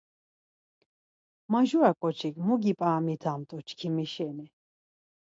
Majura ǩoçik mu gip̌aramitamt̆u çkimi şeni?